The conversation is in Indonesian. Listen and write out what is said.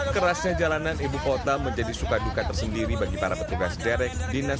kerasnya jalanan ibukota menjadi sukaduka tersendiri bagi para petugas derek dinas